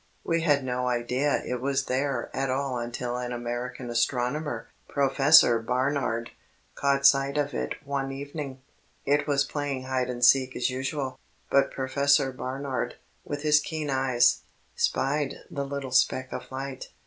We had no idea it was there at all until an American astronomer, Professor Barnard, caught sight of it one evening. It was playing hide and seek as usual, but Professor Barnard, with his keen eyes, spied the little speck of light.